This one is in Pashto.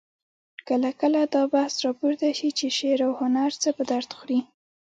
کله کله دا بحث راپورته شي چې شعر او هنر څه په درد خوري؟